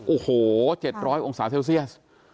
โอ้โห๗๐๐องศาเซลเซียส